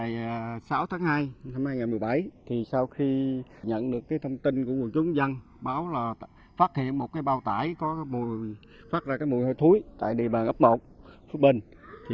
ngày sáu tháng hai năm hai nghìn một mươi bảy sau khi nhận được thông tin của nguồn chúng dân báo là phát hiện một bao tải phát ra mùi hơi thúi tại địa bàn ấp một phúc bình